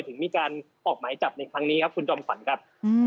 ถึงมีการออกหมายจับในครั้งนี้ครับคุณจอมขวัญครับ